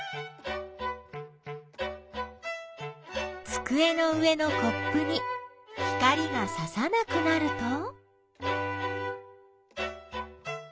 つくえの上のコップに光がささなくなると。